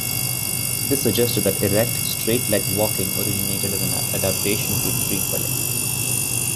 This suggested that erect, straight-legged walking originated as an adaptation to tree-dwelling.